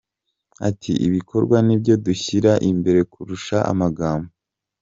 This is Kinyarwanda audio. Ati « ibikorwa nibyo dushyira imbere kurusha amagambo.